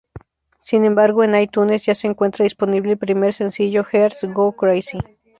Sin embargo, en iTunes ya se encuentra disponible el primer sencillo, "Hearts Go Crazy".